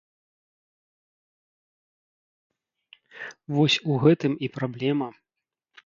Вось у гэтым і праблема!